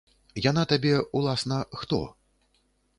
Яна табе, уласна, хто?